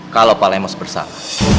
kalau pak lemos bersama